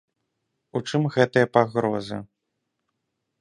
У чым гэтая пагроза?